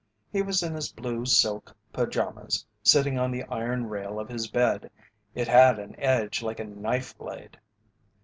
He was in his blue silk pajamas, sitting on the iron rail of his bed it had an edge like a knife blade.